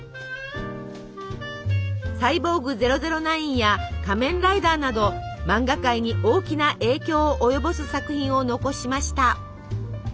「サイボーグ００９」や「仮面ライダー」など漫画界に大きな影響を及ぼす作品を残しました。